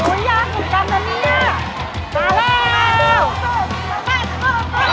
โอ้ยย้าเหงื่อหลังแวะ